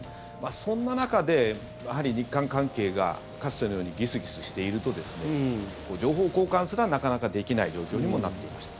そんな中で、やはり日韓関係がかつてのようにギスギスしてると情報交換すらなかなかできない状況にもなっていました。